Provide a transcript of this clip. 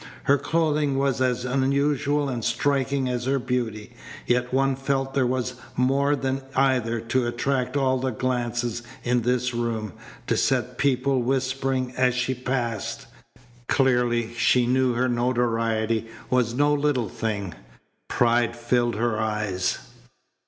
Her clothing was as unusual and striking as her beauty, yet one felt there was more than either to attract all the glances in this room, to set people whispering as she passed. Clearly she knew her notoriety was no little thing. Pride filled her eyes.